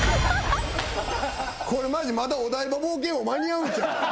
これマジまだお台場冒険王間に合うんちゃう？